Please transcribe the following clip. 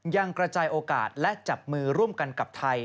ยังกระจายโอกาสและจับมือร่วมกันกับไทย